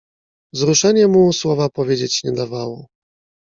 "Wzruszenie mu słowa powiedzieć nie dawało."